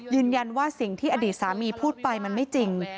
ยืนยันว่าสิ่งที่อดีตสามีพูดไปมันไม่จริง